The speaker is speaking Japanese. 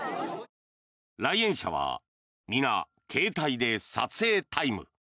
来園者は皆携帯で撮影タイム。